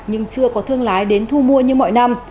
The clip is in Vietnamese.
nhưng chưa có thương lái đến thu mua như mọi năm